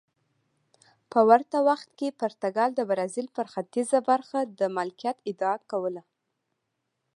په ورته وخت کې پرتګال د برازیل پر ختیځه برخه د مالکیت ادعا کوله.